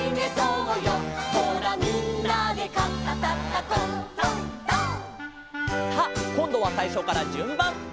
「」さあこんどはさいしょからじゅんばん！